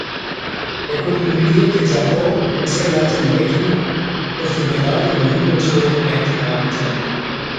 Der kontinuierliche Support für sehr langsame Rechner dürfte gerade in der Windows-Welt einzigartig sein.